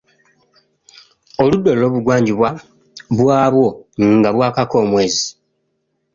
Oludda olw'obugwanjuba bwa bwo nga bwakako omwezi.